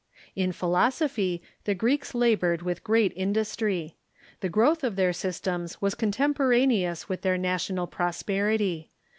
In philosophy, the Greeks labored Avith great industry. The growth of their systems was contemporaneous with their na tional i)rosperity.